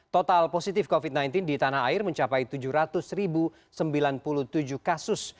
total positif covid sembilan belas di tanah air mencapai tujuh ratus sembilan puluh tujuh kasus